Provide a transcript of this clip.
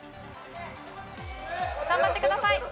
頑張ってください。